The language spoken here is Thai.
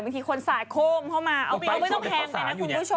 บางทีคนสะโคมเข้ามาไม่ต้องแพนไปนะคุณผู้ชม